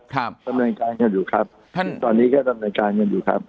ดำเนินการกันอยู่ครับท่านตอนนี้ก็ดำเนินการกันอยู่ครับ